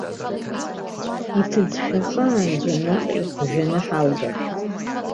Иҭыӡшәахаанӡа, наҟ ихәжәаны ҳалгап.